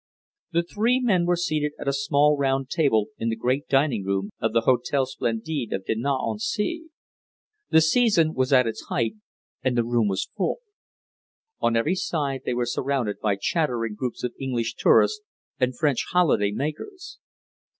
The three men were seated at a small round table in the great dining room of the Hôtel Splendide of Dinant on Sea. The season was at its height, and the room was full. On every side they were surrounded by chattering groups of English tourists and French holiday makers.